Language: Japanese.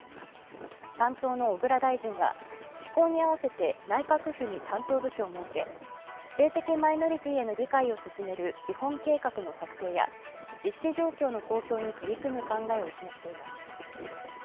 担当の小倉大臣は施行に合わせて内閣府に担当部署を設け性的マイノリティへの理解を進める基本計画の策定や実施状況の公表に取り組む考えを示しています。